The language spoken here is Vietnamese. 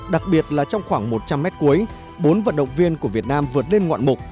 đặc biệt là trong khoảng một trăm linh m cuối bốn vận động viên của việt nam vượt lên ngoạn mục